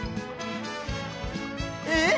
えっ？